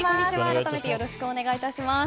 改めてよろしくお願いいたします。